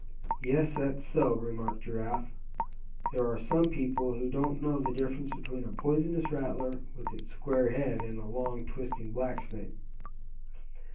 "Yes, that's so," remarked Giraffe, "there are some people who don't know the difference between a poisonous rattler, with its square head, and a long twisting black snake."